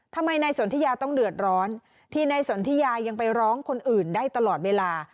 ทำไมนายสนทิยาต้องเดือดร้อนที่นายสนทิยายังไปร้องคนอื่นได้ตลอดเวลา